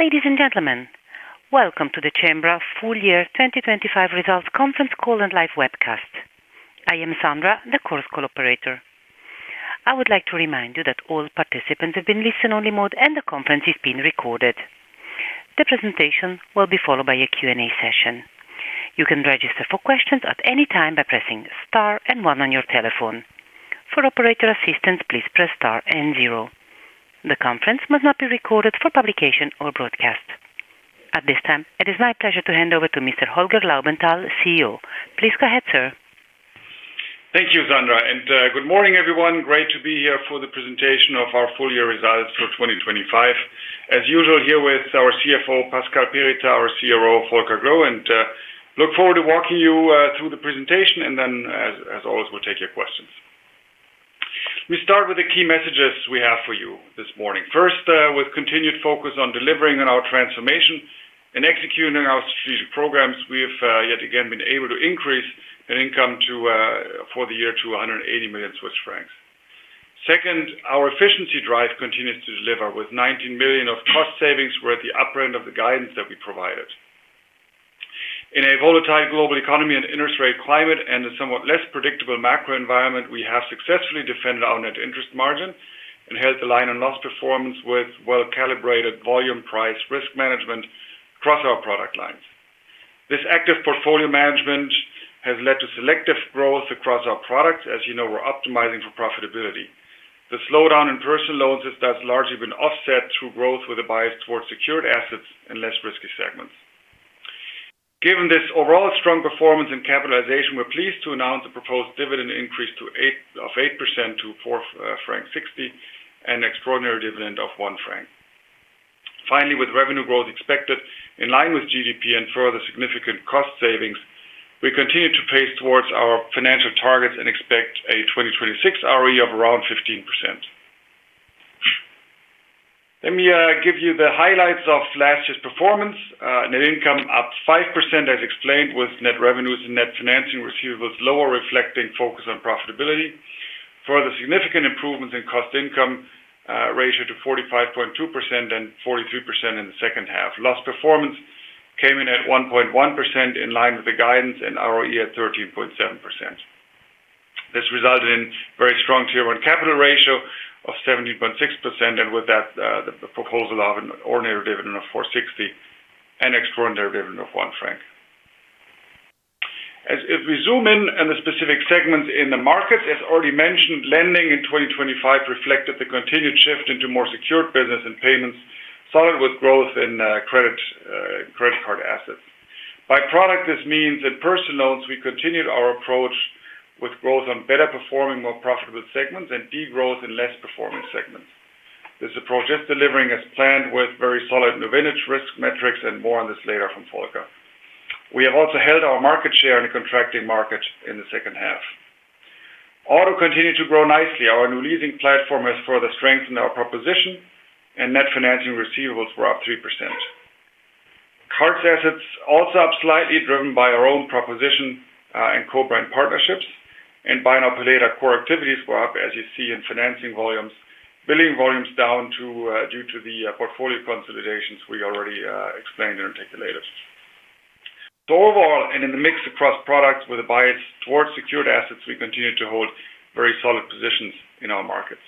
Ladies and gentlemen, Welcome to the Cembra full year 2025 results conference call and live webcast. I am Sandra, the call's call operator. I would like to remind you that all participants have been listen-only mode, and the conference is being recorded. The presentation will be followed by a Q&A session. You can register for questions at any time by pressing star and one on your telephone. For operator assistance, please press star and zero. The conference must not be recorded for publication or broadcast. At this time, it is my pleasure to hand over to Mr. Holger Laubenthal, CEO. Please go ahead, sir. Thank you, Sandra, and good morning, everyone. Great to be here for the presentation of our full year results for 2025. As usual, here with our CFO, Pascal Perritaz, our CRO, Volker Gloe, and look forward to walking you through the presentation, and then as always, we'll take your questions. We start with the key messages we have for you this morning. First, with continued focus on delivering on our transformation and executing our strategic programs, we have yet again been able to increase net income to for the year to 180 million Swiss francs. Second, our efficiency drive continues to deliver, with 19 million of cost savings. We're at the upper end of the guidance that we provided. In a volatile global economy and interest rate climate and a somewhat less predictable macro environment, we have successfully defended our net interest margin and held the line and loss performance with well-calibrated volume price risk management across our product lines. This active portfolio management has led to selective growth across our products. As you know, we're optimizing for profitability. The slowdown in personal loans has thus largely been offset through growth with a bias towards secured assets and less risky segments. Given this overall strong performance and capitalization, we're pleased to announce a proposed dividend increase of 8% to 4.60 francs and extraordinary dividend of 1 franc. Finally, with revenue growth expected in line with GDP and further significant cost savings, we continue to pace towards our financial targets and expect a 2026 ROE of around 15%. Let me give you the highlights of last year's performance. Net income up 5%, as explained, with net revenues and net financing receivables lower reflecting focus on profitability. Further significant improvements in cost-income ratio to 45.2% and 43% in the second half. Loss performance came in at 1.1%, in line with the guidance, and ROE at 13.7%. This resulted in very strong Tier 1 capital ratio of 17.6%, and with that, the proposal of an ordinary dividend of 4.60 and extraordinary dividend of 1 franc. If we zoom in on the specific segments in the market, as already mentioned, lending in 2025 reflected the continued shift into more secured business and payments, solid with growth in credit card assets. By product, this means in personal loans, we continued our approach with growth on better performing, more profitable segments and degrowth in less performing segments. This approach is delivering as planned, with very solid vintage risk metrics and more on this later from Volker. We have also held our market share in a contracting market in the second half. Auto continued to grow nicely. Our new leasing platform has further strengthened our proposition, and net financing receivables were up 3%. Cards assets also up slightly, driven by our own proposition and co-brand partnerships, and BNPL core activities were up, as you see, in financing volumes, billing volumes down, too, due to the portfolio consolidations we already explained and articulated. So overall, and in the mix across products with a bias towards secured assets, we continue to hold very solid positions in our markets.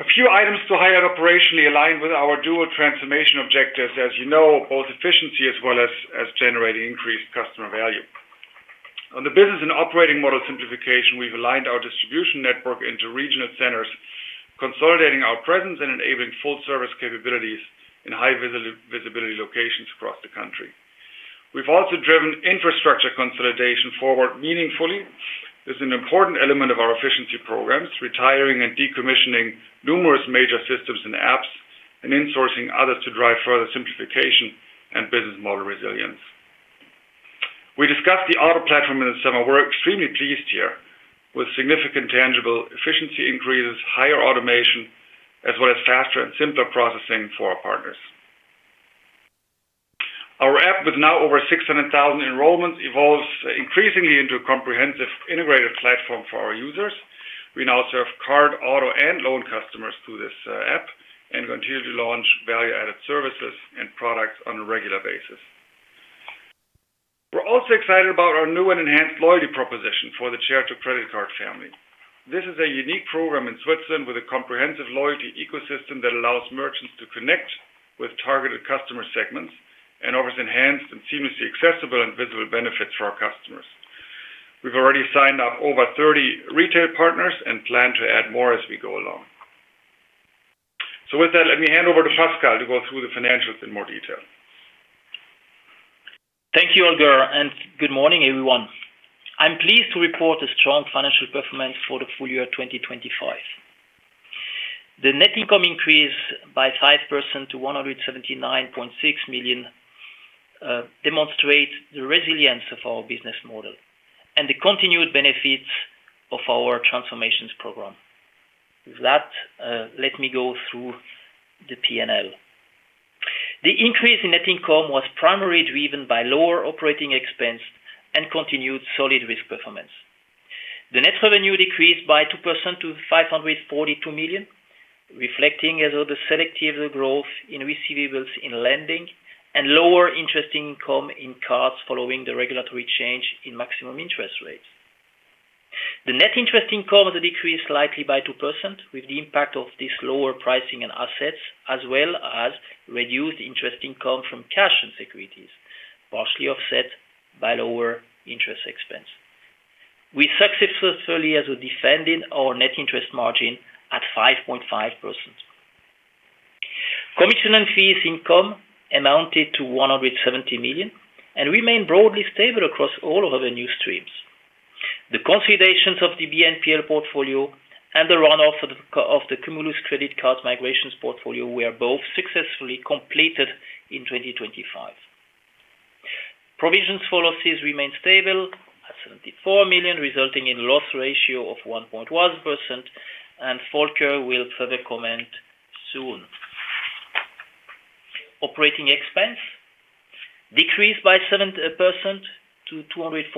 A few items to highlight operationally align with our dual transformation objectives. As you know, both efficiency as well as generating increased customer value. On the business and operating model simplification, we've aligned our distribution network into regional centers, consolidating our presence and enabling full service capabilities in high visibility locations across the country. We've also driven infrastructure consolidation forward meaningfully. This is an important element of our efficiency programs, retiring and decommissioning numerous major systems and apps, and insourcing others to drive further simplification and business model resilience. We discussed the auto platform in the summer. We're extremely pleased here with significant tangible efficiency increases, higher automation, as well as faster and simpler processing for our partners. Our app, with now over 600,000 enrollments, evolves increasingly into a comprehensive integrated platform for our users. We now serve card, auto, and loan customers through this app and continue to launch value-added services and products on a regular basis. We're also excited about our new and enhanced loyalty proposition for the Certo! credit card family. This is a unique program in Switzerland with a comprehensive loyalty ecosystem that allows merchants to connect with targeted customer segments and offers enhanced and seamlessly accessible and visible benefits for our customers. We've already signed up over 30 retail partners and plan to add more as we go along. So with that, let me hand over to Pascal to go through the financials in more detail. Thank you, Holger, and good morning, everyone. I'm pleased to report a strong financial performance for the full year 2025. The net income increased by 5% to 179.6 million, demonstrates the resilience of our business model and the continued benefits of our transformations program. With that, let me go through the P&L. The increase in net income was primarily driven by lower operating expense and continued solid risk performance. The net revenue decreased by 2% to 542 million, reflecting softer selective growth in receivables in lending and lower interest income in cards, following the regulatory change in maximum interest rates. The net interest income has decreased slightly by 2%, with the impact of this lower pricing and assets, as well as reduced interest income from cash and securities, partially offset by lower interest expense. We successfully as well defended our net interest margin at 5.5%. Commission and fees income amounted to 170 million and remained broadly stable across all of our revenue streams. The consolidations of the BNPL portfolio and the run-off of the Cumulus credit card migrations portfolio were both successfully completed in 2025. Provisions for losses remained stable at 74 million, resulting in loss ratio of 1.1%, and Volker will further comment soon. Operating expense decreased by 7% to 245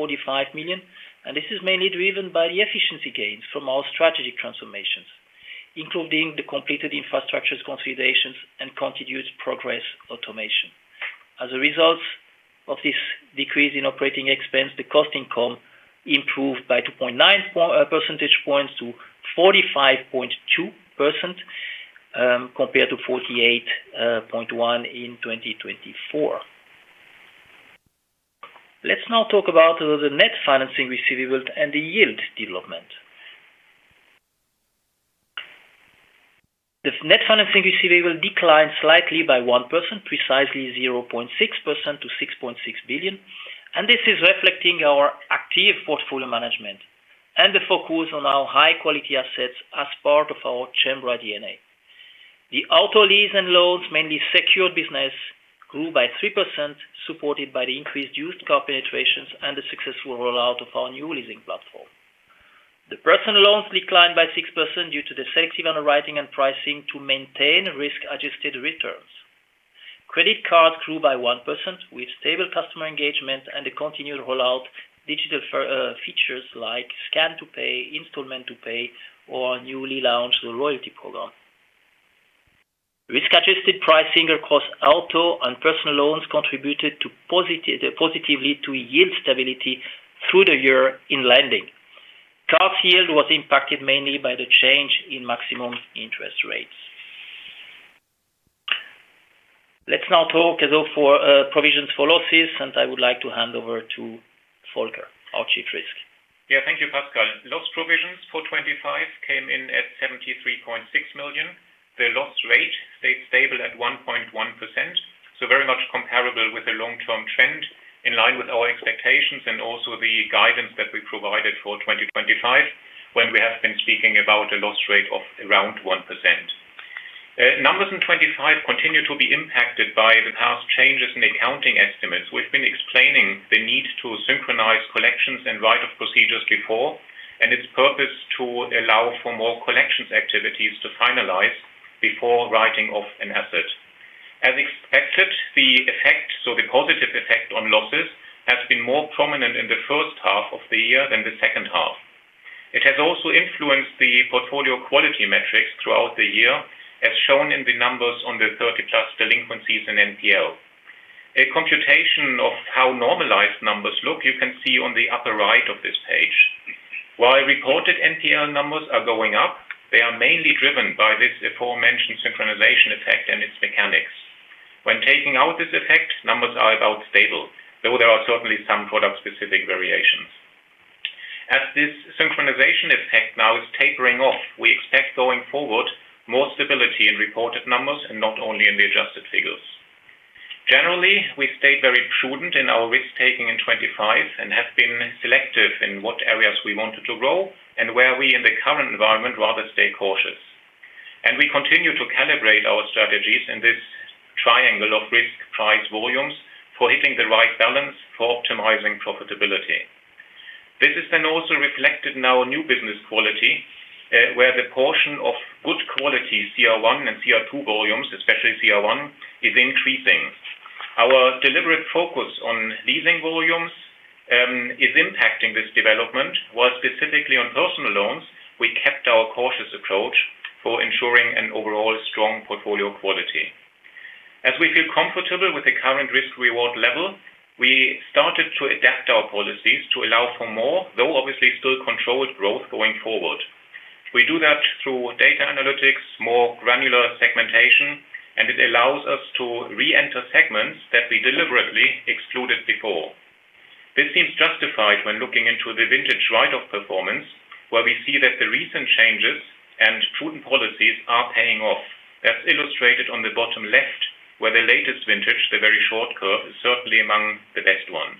million, and this is mainly driven by the efficiency gains from our strategic transformations, including the completed infrastructures consolidations and continued progress automation. As a result of this decrease in operating expense, the cost income improved by 2.9 percentage points to 45.2%, compared to 48.1 in 2024. Let's now talk about the net financing receivable and the yield development. The net financing receivable declined slightly by 1%, precisely 0.6% to 6.6 billion, and this is reflecting our active portfolio management and the focus on our high-quality assets as part of our Cembra DNA. The auto lease and loans, mainly secured business, grew by 3%, supported by the increased used car penetrations and the successful rollout of our new leasing platform. The personal loans declined by 6% due to the selective underwriting and pricing to maintain risk-adjusted returns. Credit card grew by 1%, with stable customer engagement and the continued rollout digital features like Scan to Pay, installment to pay, or newly launched loyalty program. Risk-adjusted pricing across auto and personal loans contributed positively to yield stability through the year in lending. Card yield was impacted mainly by the change in maximum interest rates. Let's now talk as well for provisions for losses, and I would like to hand over to Volker, our Chief Risk Officer. Yeah. Thank you, Pascal. Loss provisions for 2025 came in at 73.6 million. The loss rate stayed stable at 1.1%, so very much comparable with the long-term trend, in line with our expectations and also the guidance that we provided for 2025, when we have been speaking about a loss rate of around 1%. Numbers in 2025 continue to be impacted by the past changes in accounting estimates. We've been explaining the need to synchronize collections and write-off procedures before, and its purpose to allow for more collections activities to finalize before writing off an asset. As expected, the effect, so the positive effect on losses, has been more prominent in the first half of the year than the second half. It has also influenced the portfolio quality metrics throughout the year, as shown in the numbers on the 30+ delinquencies in NPL. A computation of how normalized numbers look, you can see on the upper right of this page. While reported NPL numbers are going up, they are mainly driven by this aforementioned synchronization effect and its mechanics. When taking out this effect, numbers are about stable, though there are certainly some product-specific variations. As this synchronization effect now is tapering off, we expect going forward, more stability in reported numbers and not only in the adjusted figures. Generally, we stayed very prudent in our risk-taking in 25 and have been selective in what areas we wanted to grow and where we, in the current environment, rather stay cautious. We continue to calibrate our strategies in this triangle of risk, price, volumes, for hitting the right balance for optimizing profitability. This is then also reflected in our new business quality, where the portion of good quality CR1 and CR2 volumes, especially CR1, is increasing. Our deliberate focus on leasing volumes is impacting this development, while specifically on personal loans, we kept our cautious approach for ensuring an overall strong portfolio quality. As we feel comfortable with the current risk-reward level, we started to adapt our policies to allow for more, though obviously still controlled growth going forward. We do that through data analytics, more granular segmentation, and it allows us to re-enter segments that we deliberately excluded before. This seems justified when looking into the vintage write-off performance, where we see that the recent changes and prudent policies are paying off, as illustrated on the bottom left, where the latest vintage, the very short curve, is certainly among the best ones.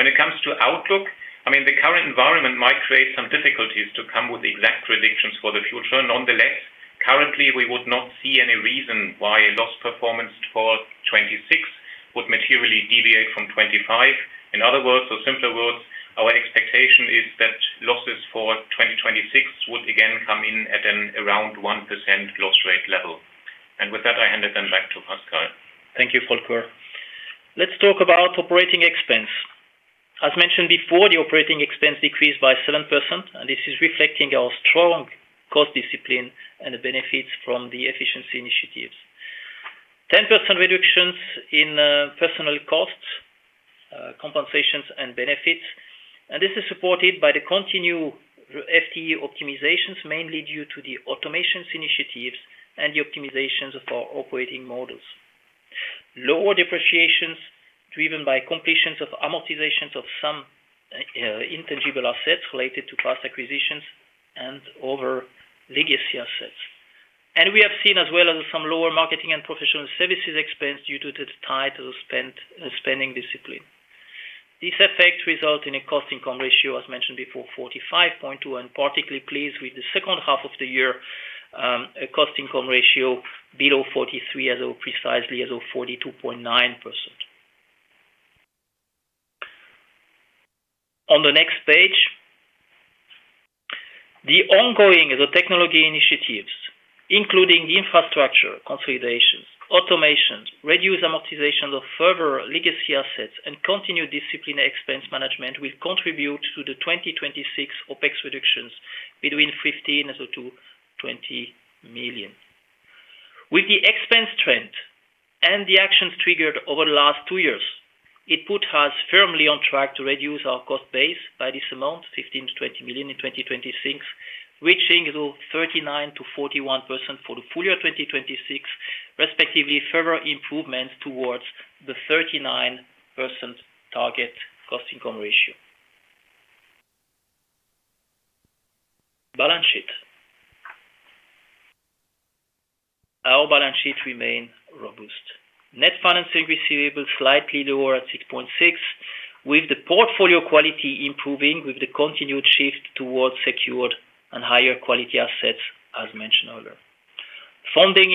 When it comes to outlook, I mean, the current environment might create some difficulties to come with exact predictions for the future. Nonetheless, currently, we would not see any reason why a loss performance for 2026 would materially deviate from 2025. In other words, or simpler words- I mean, at around 1% loss rate level. With that, I hand it then back to Pascal. Thank you, Volker. Let's talk about operating expense. As mentioned before, the operating expense decreased by 7%, and this is reflecting our strong cost discipline and the benefits from the efficiency initiatives. 10% reductions in personal costs, compensations, and benefits, and this is supported by the continued FTE optimizations, mainly due to the automations initiatives and the optimizations of our operating models. Lower depreciations, driven by completions of amortizations of some intangible assets related to past acquisitions and over legacy assets. And we have seen as well as some lower marketing and professional services expense due to the tight spend, spending discipline. These effects result in a cost-income ratio, as mentioned before, 45.2, and particularly pleased with the second half of the year, a cost-income ratio below 43 as of precisely as of 42.9%. On the next page, the ongoing technology initiatives, including infrastructure consolidations, automations, reduced amortization of further legacy assets, and continued disciplined expense management, will contribute to the 2026 OpEx reductions between 15 million-20 million. With the expense trend and the actions triggered over the last two years, it put us firmly on track to reduce our cost base by this amount, 15 million-20 million in 2026, reaching to 39%-41% for the full year 2026, respectively, further improvements towards the 39% target cost-income ratio. Balance sheet. Our balance sheet remain robust. Net financing receivables slightly lower at 6.6, with the portfolio quality improving, with the continued shift towards secured and higher quality assets, as mentioned earlier. Funding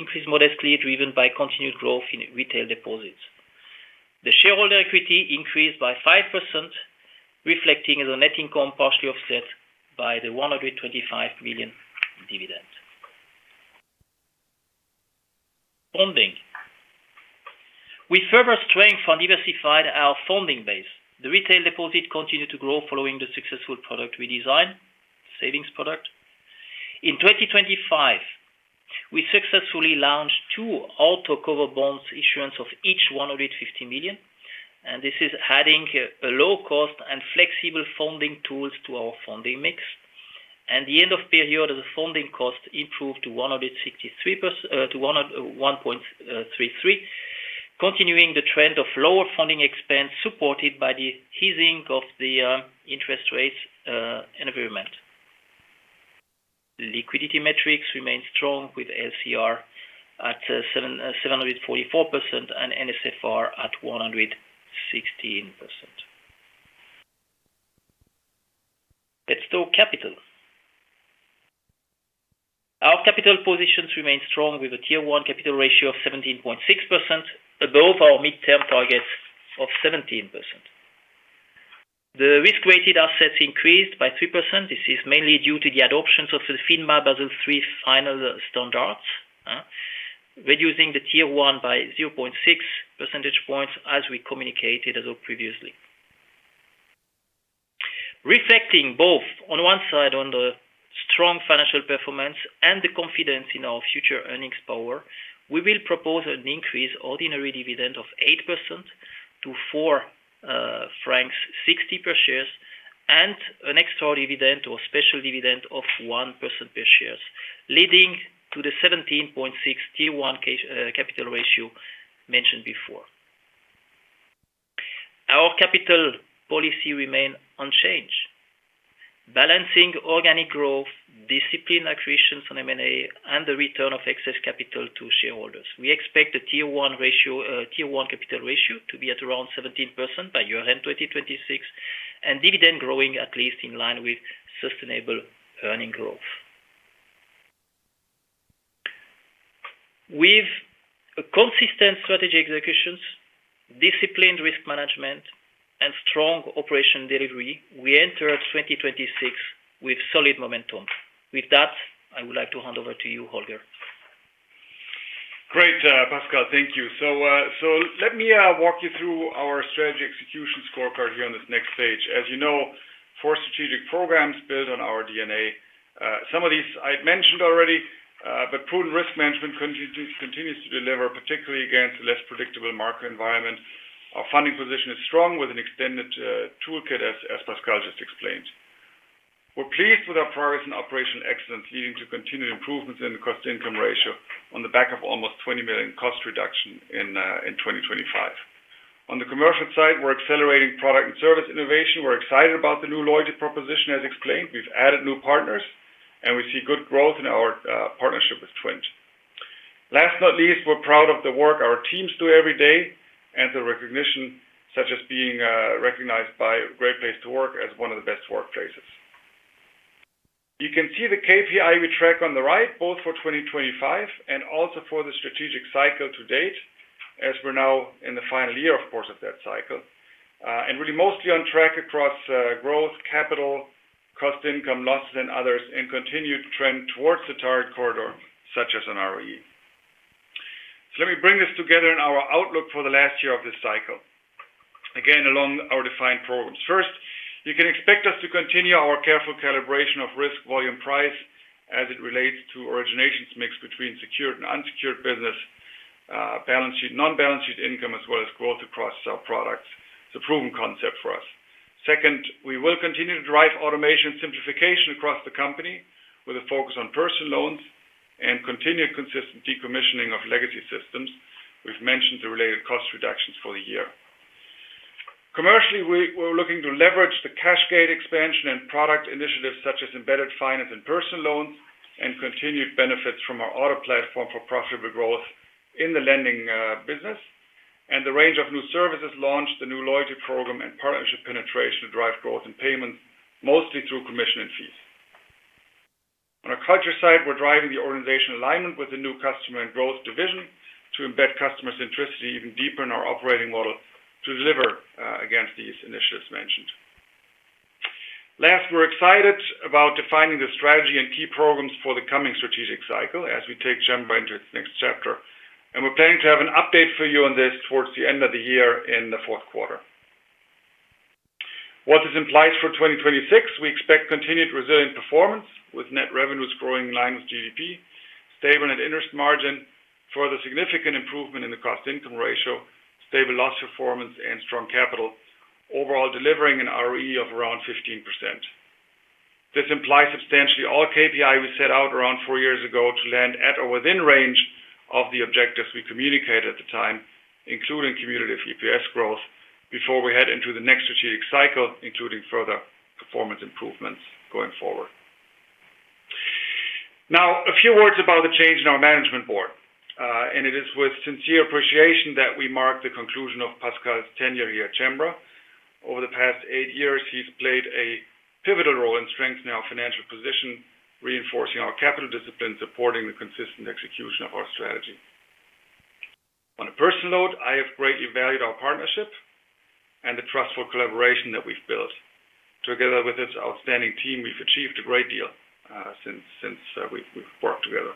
increased modestly, driven by continued growth in retail deposits. Shareholder equity increased by 5%, reflecting the net income, partially offset by the 125 million dividends. Funding. We further strengthened and diversified our funding base. The retail deposit continued to grow following the successful product redesign, savings product. In 2025, we successfully launched two auto covered bonds, issuance of each 150 million, and this is adding a low cost and flexible funding tools to our funding mix. At the end of period, the funding cost improved to 1.63%, to 1.33, continuing the trend of lower funding expense, supported by the easing of the interest rates environment. Liquidity metrics remain strong, with LCR at 744% and NSFR at 116%. Let's talk capital. Our capital positions remain strong, with a Tier 1 capital ratio of 17.6%, above our midterm target of 17%. The risk-weighted assets increased by 3%. This is mainly due to the adoption of the FINMA Basel III final standards, reducing the Tier 1 by 0.6 percentage points, as we communicated as of previously. Reflecting both, on one side, on the strong financial performance and the confidence in our future earnings power, we will propose an increased ordinary dividend of 8% to 4.60 francs per share, and an extraordinary dividend or special dividend of 1% per share, leading to the 17.6 Tier 1 capital ratio mentioned before. Our capital policy remain unchanged, balancing organic growth, disciplined acquisitions on M&A, and the return of excess capital to shareholders. We expect the Tier 1 ratio, Tier 1 capital ratio to be at around 17% by year-end 2026, and dividend growing at least in line with sustainable earning growth. With a consistent strategy executions, disciplined risk management, and strong operation delivery, we enter 2026 with solid momentum. With that, I would like to hand over to you, Holger. Great, Pascal, thank you. So let me walk you through our strategy execution scorecard here on this next page. As you know, four strategic programs built on our DNA. Some of these I've mentioned already, but prudent risk management continues to deliver, particularly against a less predictable market environment. Our funding position is strong, with an extended toolkit, as Pascal just explained. We're pleased with our progress in operational excellence, leading to continued improvements in the cost-income ratio on the back of almost 20 million cost reduction in 2025. On the commercial side, we're accelerating product and service innovation. We're excited about the new loyalty proposition, as explained. We've added new partners, and we see good growth in our partnership with TWINT. Last but not least, we're proud of the work our teams do every day, and the recognition, such as being recognized by Great Place to Work as one of the best workplaces. You can see the KPI we track on the right, both for 2025 and also for the strategic cycle to date, as we're now in the final year, of course, of that cycle and really mostly on track across growth, capital, cost, income, losses, and others, and continued trend towards the target corridor, such as on ROE. So let me bring this together in our outlook for the last year of this cycle. Again, along our defined programs. First, you can expect us to continue our careful calibration of risk, volume, price as it relates to originations mix between secured and unsecured business, balance sheet, non-balance sheet income, as well as growth across our products. It's a proven concept for us. Second, we will continue to drive automation simplification across the company with a focus on personal loans and continued consistent decommissioning of legacy systems. We've mentioned the related cost reductions for the year. Commercially, we're looking to leverage the Cashgate expansion and product initiatives such as embedded finance and personal loans, and continued benefits from our auto platform for profitable growth in the lending business, and the range of new services launched, the new loyalty program and partnership penetration to drive growth and payments, mostly through commission and fees. On our culture side, we're driving the organization alignment with the new customer and growth division to embed customer centricity even deeper in our operating model to deliver against these initiatives mentioned. Last, we're excited about defining the strategy and key programs for the coming strategic cycle as we take Cembra into its next chapter, and we're planning to have an update for you on this towards the end of the year in the fourth quarter. What this implies for 2026, we expect continued resilient performance with net revenues growing in line with GDP, stable net interest margin, further significant improvement in the cost-income ratio, stable loss performance, and strong capital, overall, delivering an ROE of around 15%. This implies substantially all KPI we set out around four years ago to land at or within range of the objectives we communicated at the time, including cumulative EPS growth, before we head into the next strategic cycle, including further performance improvements going forward. Now, a few words about the change in our management board. It is with sincere appreciation that we mark the conclusion of Pascal's tenure here at Cembra. Over the past eight years, he's played a pivotal role in strengthening our financial position, reinforcing our capital discipline, supporting the consistent execution of our strategy. On a personal note, I have greatly valued our partnership and the trustful collaboration that we've built. Together with his outstanding team, we've achieved a great deal, since we've worked together.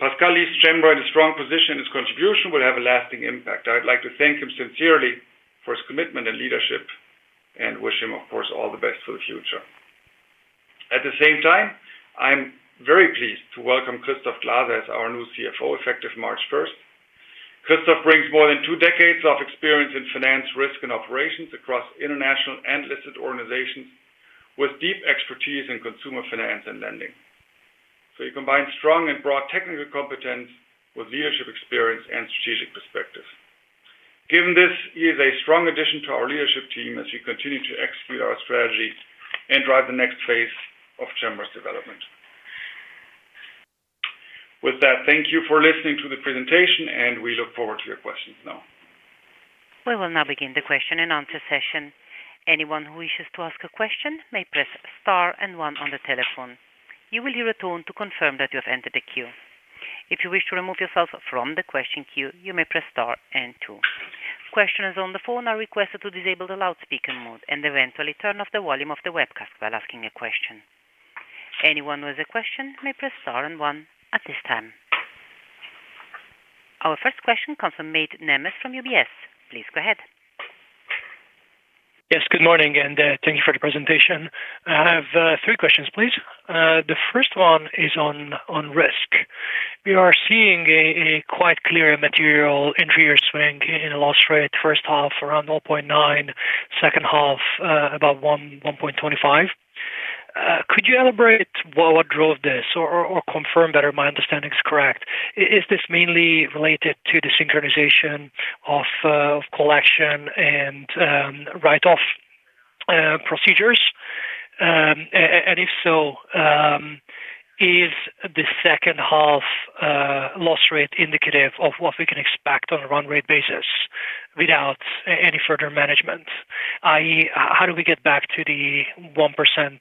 Pascal leaves Cembra in a strong position. His contribution will have a lasting impact. I'd like to thank him sincerely for his commitment and leadership and wish him, of course, all the best for the future. At the same time, I'm very pleased to welcome Christoph Glaser as our new CFO, effective March 1st. Christoph brings more than two decades of experience in finance, risk, and operations across international and listed organizations with deep expertise in consumer finance and lending. So he combines strong and broad technical competence with leadership experience and strategic perspective. Given this, he is a strong addition to our leadership team as we continue to execute our strategy and drive the next phase of Cembra's development. With that, thank you for listening to the presentation, and we look forward to your questions now. We will now begin the question and answer session. Anyone who wishes to ask a question may press star and One on the telephone. You will hear a tone to confirm that you have entered the queue. If you wish to remove yourself from the question queue, you may press star and two. Questioners on the phone are requested to disable the loudspeaker mode and eventually turn off the volume of the webcast while asking a question. Anyone with a question may press star and one at this time. Our first question comes from Mate Nemes from UBS. Please go ahead. Yes, good morning, and thank you for the presentation. I have three questions, please. The first one is on risk. We are seeing a quite clear material deterioration in loss rate, first half around 1.9, second half about 1.25. Could you elaborate what drove this or confirm that my understanding is correct? Is this mainly related to the synchronization of collection and write-off procedures? And if so, is the second half loss rate indicative of what we can expect on a run rate basis without any further management? I.e., how do we get back to the 1%,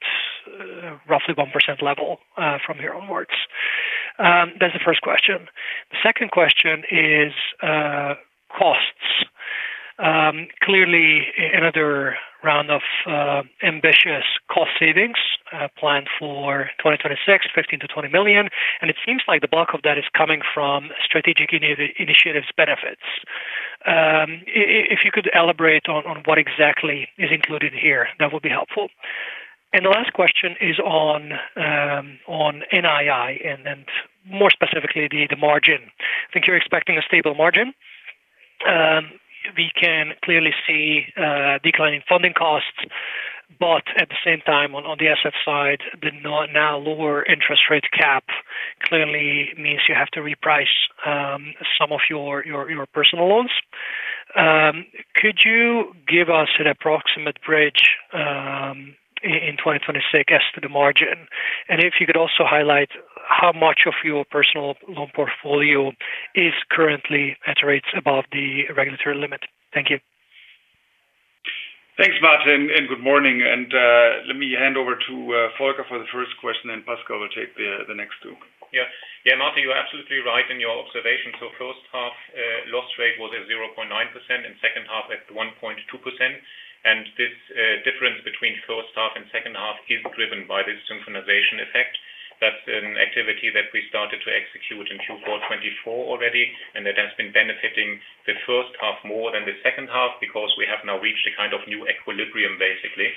roughly 1% level, from here onwards? That's the first question. The second question is costs. Clearly another round of ambitious cost savings planned for 2026, 15 million-20 million, and it seems like the bulk of that is coming from strategic initiatives benefits. If you could elaborate on what exactly is included here, that would be helpful. The last question is on NII and more specifically the margin. I think you're expecting a stable margin. We can clearly see declining funding costs, but at the same time, on the asset side, the now lower interest rate cap clearly means you have to reprice some of your personal loans. Could you give us an approximate bridge in 2026 as to the margin? If you could also highlight how much of your personal loan portfolio is currently at rates above the regulatory limit. Thank you. Thanks, Martin, and good morning. Let me hand over to Volker for the first question, and Pascal will take the next two. Yeah. Yeah, Martin, you're absolutely right in your observation. So first half, loss rate was at 0.9% and second half at 1.2%. And this, difference between first half and second half is driven by the synchronization effect. That's an activity that we started to execute in Q4 2024 already, and that has been benefiting the first half more than the second half because we have now reached a kind of new equilibrium, basically.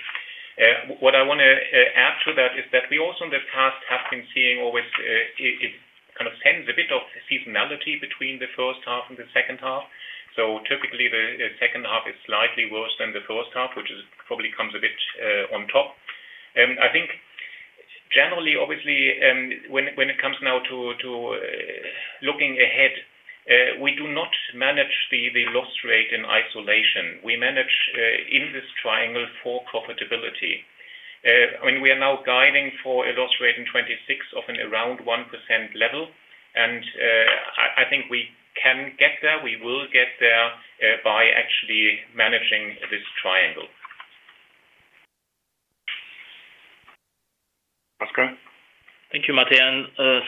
What I want to add to that is that we also in the past have been seeing always, it, it kind of tends a bit of seasonality between the first half and the second half. So typically, the, the second half is slightly worse than the first half, which is probably comes a bit on top. I think generally, obviously, when it comes now to looking ahead, we do not manage the loss rate in isolation. We manage in this triangle for profitability. When we are now guiding for a loss rate in 2026 of around 1% level, and I think we can get there. We will get there by actually managing this triangle. Pascal? Thank you, Mate.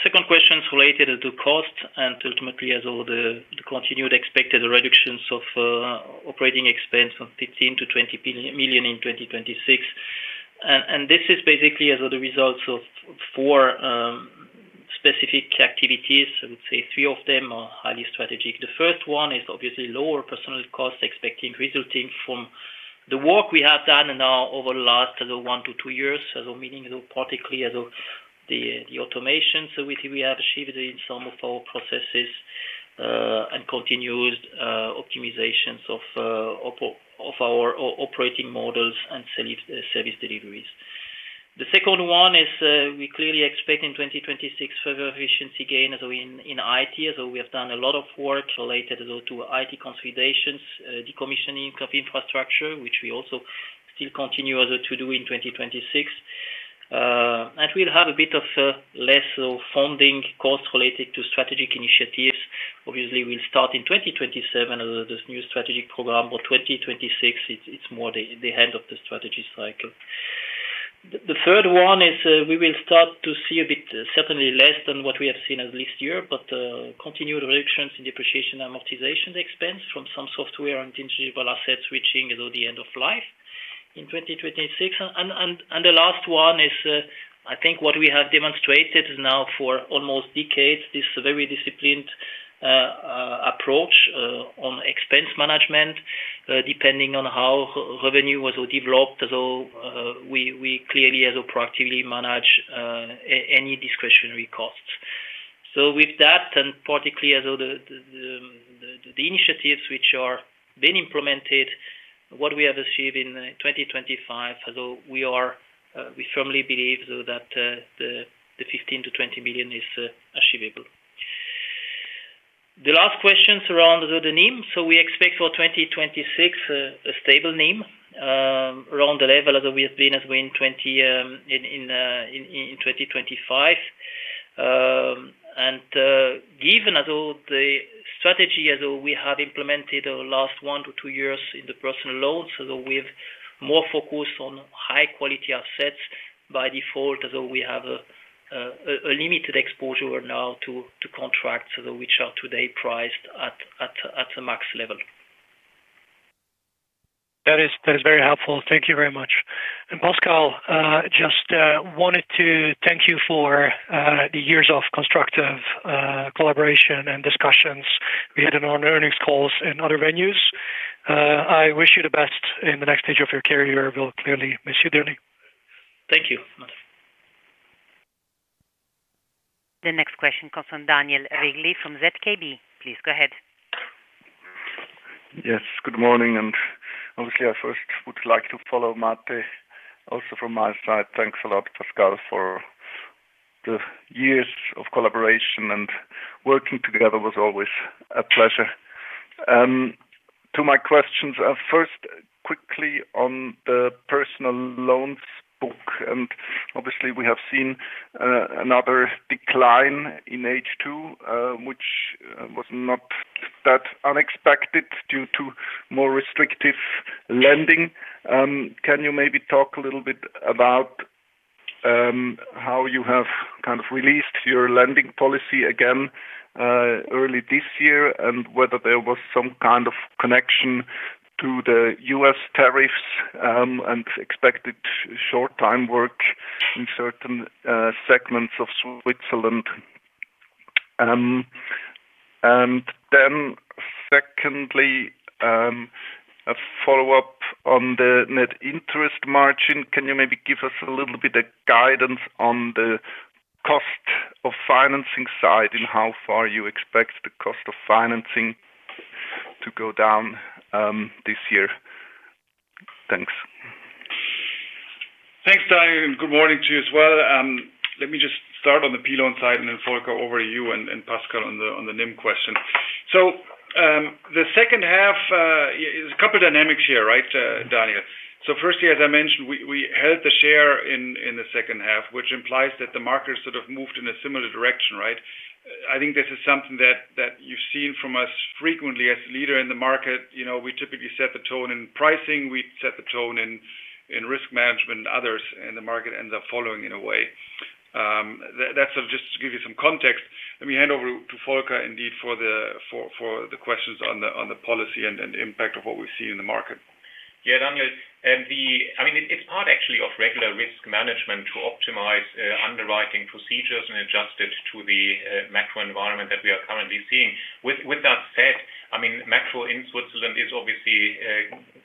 Second question is related to cost and ultimately, as all the continued expected reductions of operating expense from 15 million-20 million in 2026. This is basically as the result of four specific activities. I would say three of them are highly strategic. The first one is obviously lower personnel costs, expecting resulting from the work we have done now over the last one to two years. Meaning, particularly as the automation we have achieved in some of our processes, and continuous optimizations of our operating models and service deliveries. The second one is, we clearly expect in 2026 further efficiency gain as we in IT. So we have done a lot of work related to IT consolidations, decommissioning of infrastructure, which we also still continue to do in 2026. And we'll have a bit less funding costs related to strategic initiatives. Obviously, we'll start in 2027 as this new strategic program, or 2026, it's more the end of the strategy cycle. The third one is we will start to see a bit, certainly less than what we have seen last year, but continued reductions in depreciation amortization expense from some software and intangible assets, reaching the end of life in 2026. And the last one is, I think what we have demonstrated now for almost decades, this very disciplined approach on expense management, depending on how revenue was developed. So, we clearly as a proactively manage any discretionary costs. So with that, and particularly as the initiatives which are being implemented, what we have achieved in 2025, although we are, we firmly believe so that, the 15 million-20 million is achievable. The last question is around the NIM. So we expect for 2026, a stable NIM, around the level as we have been as we in 2025. And, given as all the strategy, as we have implemented over the last one to two years in the personal loans, so we've more focused on high-quality assets by default, as we have, a limited exposure now to contracts which are today priced at a max level. That is, that is very helpful. Thank you very much. And Pascal, just wanted to thank you for the years of constructive collaboration and discussions we had on earnings calls and other venues. I wish you the best in the next stage of your career. We'll clearly miss you dearly. Thank you. The next question comes from Daniel Regli from ZKB. Please go ahead. Yes, good morning, and obviously I first would like to follow Mate. Also from my side, thanks a lot, Pascal, for the years of collaboration and working together was always a pleasure. To my questions, first, quickly on the personal loans book, and obviously we have seen another decline in H2, which was not that unexpected due to more restrictive lending. Can you maybe talk a little bit about how you have kind of released your lending policy again early this year, and whether there was some kind of connection to the U.S. tariffs, and expected short time work in certain segments of Switzerland? And then secondly, a follow-up on the net interest margin. Can you maybe give us a little bit of guidance on the cost of financing side, and how far you expect the cost of financing to go down, this year? Thanks. Thanks, Daniel, and good morning to you as well. Let me just start on the PLoan side and then Volker, over to you and, and Pascal on the, on the NIM question. So, the second half is a couple of dynamics here, right, Daniel. So firstly, as I mentioned, we, we held the share in, in the second half, which implies that the market sort of moved in a similar direction, right? I think this is something that, that you've seen from us frequently as leader in the market. You know, we typically set the tone in pricing, we set the tone in, in risk management, and others in the market end up following in a way. That's just to give you some context. Let me hand over to Volker, indeed, for the questions on the policy and impact of what we see in the market. Yeah, Daniel, I mean, it's part actually of regular risk management to optimize underwriting procedures and adjust it to the macro environment that we are currently seeing. With that said, I mean, macro in Switzerland is obviously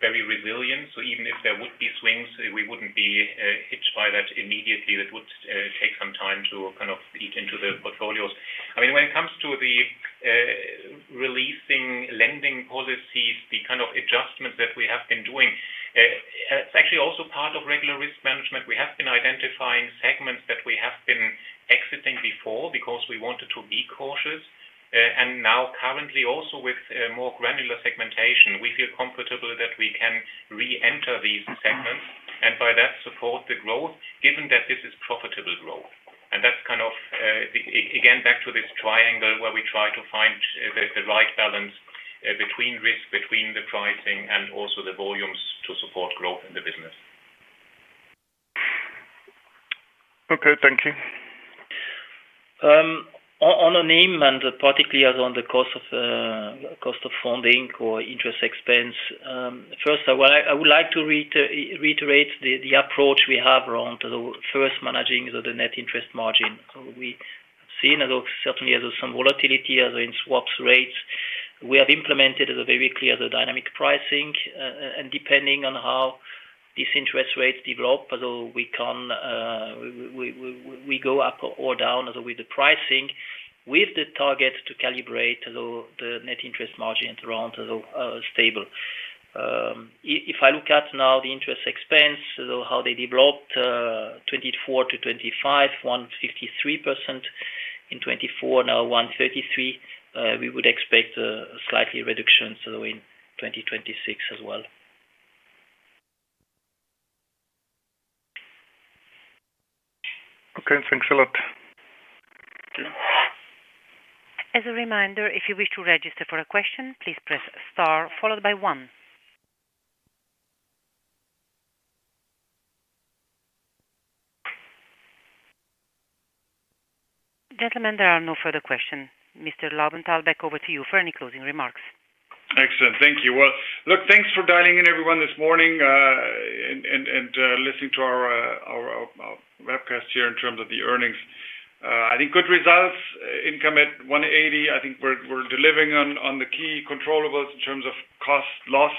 very resilient, so even if there would be swings, we wouldn't be hit by that immediately. It would take some time to kind of eat into the portfolios. I mean, when it comes to the releasing lending policies, the kind of adjustments that we have been doing, it's actually also part of regular risk management. We have been identifying segments that we have been exiting before because we wanted to be cautious. And now currently, also with a more granular segmentation, we feel comfortable that we can reenter these segments and by that support the growth, given that this is profitable growth. That's kind of, again, back to this triangle where we try to find the right balance between risk, between the pricing, and also the volumes to support growth in the business. Okay, thank you. On NIM, and particularly on the cost of funding or interest expense. First, I would like to reiterate the approach we have around first managing the net interest margin. We've seen certainly some volatility in swap rates. We have implemented a very clear dynamic pricing, and depending on how these interest rates develop, so we can go up or down with the pricing, with the target to calibrate the net interest margin around stable. If I look at now the interest expense, so how they developed, 2024 to 2025, 153% in 2024, now 133%, we would expect a slightly reduction so in 2026 as well. Okay, thanks a lot. As a reminder, if you wish to register for a question, please press star followed by one. Gentlemen, there are no further questions. Mr. Laubenthal, back over to you for any closing remarks. Excellent. Thank you. Well, look, thanks for dialing in everyone this morning, and listening to our webcast here in terms of the earnings. I think good results, income at 180. I think we're delivering on the key controllables in terms of cost loss.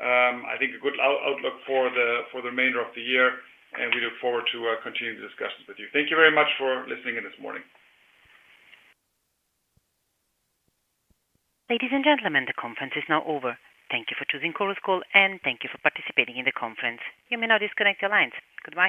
I think a good outlook for the remainder of the year, and we look forward to continuing the discussions with you. Thank you very much for listening in this morning. Ladies and gentlemen, the conference is now over. Thank you for choosing Chorus Call, and thank you for participating in the conference. You may now disconnect your lines. Goodbye.